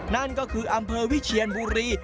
นั่นก็คืออำเภอวิเชียนบุรี